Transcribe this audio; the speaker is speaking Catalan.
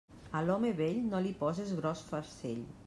A l'home vell, no li poses gros farcell.